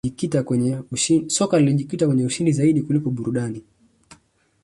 soka lilijikita kwenye ushindi zaidi kuliko burudani